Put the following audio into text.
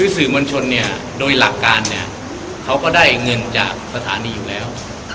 สื่อมวลชนเนี่ยโดยหลักการเนี่ยเขาก็ได้เงินจากสถานีอยู่แล้ว